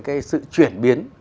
cái sự chuyển biến